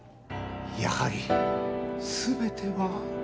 やはり全ては。